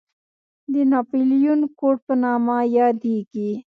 د ناپلیون کوډ په نامه یادېږي.